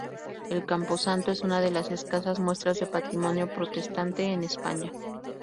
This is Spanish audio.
El camposanto es una de las escasas muestras de patrimonio protestante en España.